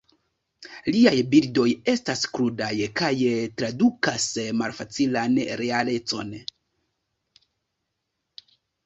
Liaj bildoj estas krudaj kaj tradukas malfacilan realecon.